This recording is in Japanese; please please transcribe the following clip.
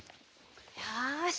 よし。